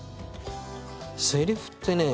セリフってね